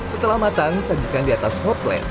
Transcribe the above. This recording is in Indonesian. setelah matang sajikan di atas hot plate